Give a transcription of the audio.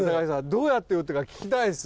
どうやって打ったか聞きたいです